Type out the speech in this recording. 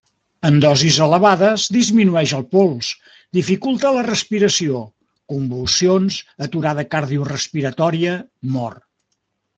En dosis elevades, disminueix el pols, dificulta la respiració, convulsions, aturada cardiorespiratòria, mort.